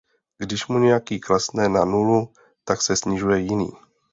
Když mu nějaký klesne na nulu tak se snižuje jiný.